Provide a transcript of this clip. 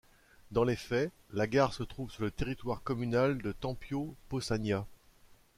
Dans les faits, la gare se trouve sur le territoire communal de Tempio Pausania.